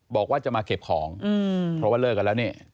บอกว่าจะมาเก็บของเพราะว่าเลิกกันแล้วนี่